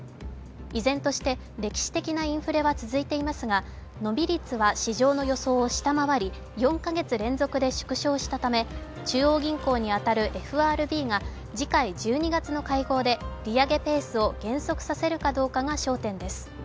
依然として歴史的なインフレは続いていますが伸び率は市場の予想を下回り４か月連続で縮小したため中央銀行に当たるＦＲＢが次回１２月の会合で利上げペースを減速させるかが焦点です。